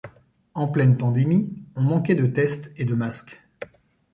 En pleine pandémie, on manquait de tests et de masques.